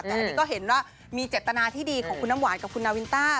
แต่อันนี้ก็เห็นว่ามีเจตนาที่ดีของคุณน้ำหวานกับคุณนาวินต้า